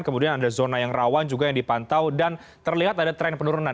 kemudian ada zona yang rawan juga yang dipantau dan terlihat ada tren penurunan